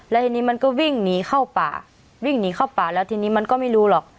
แล้วทีนี้มันก็วิ่งหนีเข้าป่าวิ่งหนีเข้าป่าแล้วทีนี้มันก็ไม่รู้หรอก